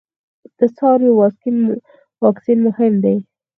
د څارویو واکسین مهم دی